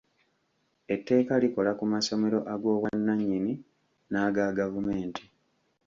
Etteeka likola ku masomero ag'obwannanyini n'aga gavumenti.